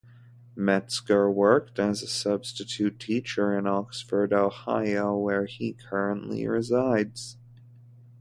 Metzger worked as a substitute teacher in Oxford, Ohio, where he currently resides.